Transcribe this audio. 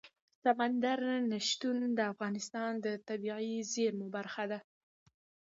سمندر نه شتون د افغانستان د طبیعي زیرمو برخه ده.